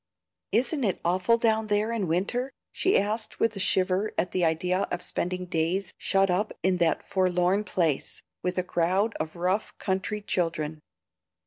"Isn't it awful down there in winter?" she asked, with a shiver at the idea of spending days shut up in that forlorn place, with a crowd of rough country children.